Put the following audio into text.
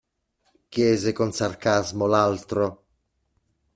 Chiese con sarcasmo l'altro.